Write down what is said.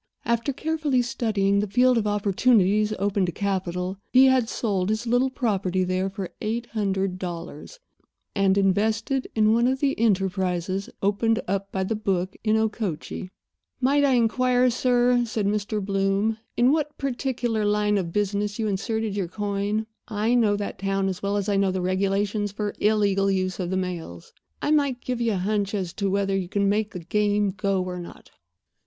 After carefully studying the field of opportunities open to capital he had sold his little property there for eight hundred dollars and invested it in one of the enterprises opened up by the book in Okochee. "Might I inquire, sir," said Mr. Bloom, "in what particular line of business you inserted your coin? I know that town as well as I know the regulations for illegal use of the mails. I might give you a hunch as to whether you can make the game go or not."